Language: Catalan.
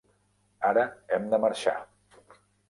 Ara hem de marxar.